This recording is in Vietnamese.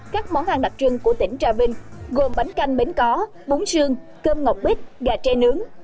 các món ăn đặc trưng của tỉnh tra vinh gồm bánh canh bến có bún sương cơm ngọc bít gà tre nướng